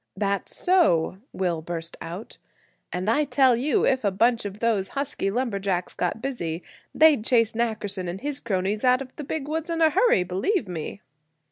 "That's so," Will burst out, "and I tell you if a bunch of those husky lumberjacks got busy, they'd chase Nackerson and his cronies out of the Big Woods in a hurry, believe me!"